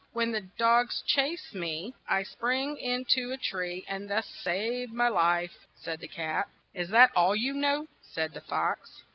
"When the dogs chase me, I spring in to a tree, and thus save my life," said the cat. "Is that all you know?" said the fox.